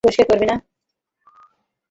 তুই পরিষ্কার করবি না?